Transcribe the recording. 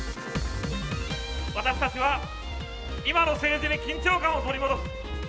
私たちは今の政治に緊張感を取り戻す。